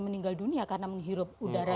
meninggal dunia karena menghirup udara